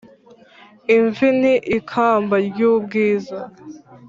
Imvi ni ikamba ry ubwiza